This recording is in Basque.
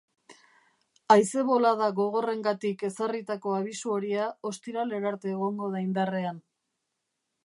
Haize bolada gogorrengatik ezarritako abisu horia ostiralera arte egongo da indarrean.